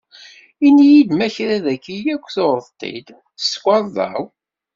Ini-iyi-d ma kra dagi akk tuɣeḍ-t-id s tkarḍa-w?